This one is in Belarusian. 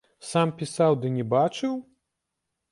Сам пісаў ды не бачыў?